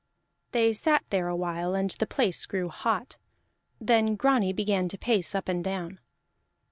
They sat there a while and the place grew hot; then Grani began to pace up and down.